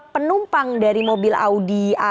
penumpang dari mobil audi